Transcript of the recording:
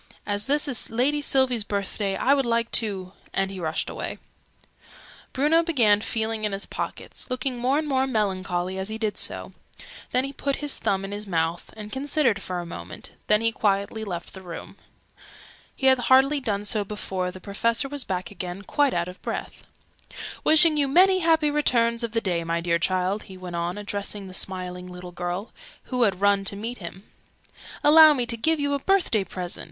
As this is Lady Sylvie's birthday, I would like to " and he rushed away. Bruno began feeling in his pockets, looking more and more melancholy as he did so: then he put his thumb in his mouth, and considered for a minute: then he quietly left the room. He had hardly done so before the Professor was back again, quite out of breath. "Wishing you many happy returns of the day, my dear child!" he went on, addressing the smiling little girl, who had run to meet him. "Allow me to give you a birthday present.